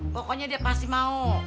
pokoknya dia pasti mau